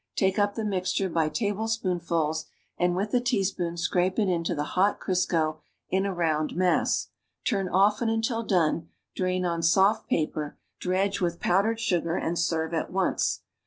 Take up the mixture by tablespoonfuls and with a teaspoon scrape it into the hot Crisco in a round mass; turn often until done; drain on soft paper, dredge with powdered sugar and serve at once.